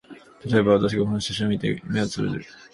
たとえば、私がこの写真を見て、眼をつぶる